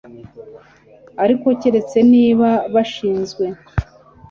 ariko keretse niba bashinzwe